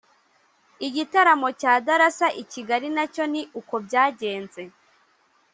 Igitaramo cya Darassa i Kigali na cyo ni uko byagenze